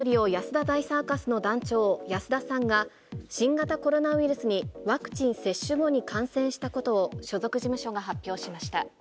お笑いトリオ、安田大サーカスの団長安田さんが新型コロナウイルスに、ワクチン接種後に感染したことを所属事務所が発表しました。